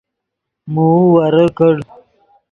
موؤ ورے کڑ